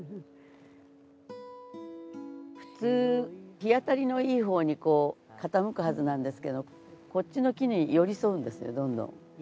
普通日当たりのいいほうにこう傾くはずなんですけどこっちの木に寄り添うんですどんどん。